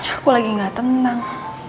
aku lagi gak tenang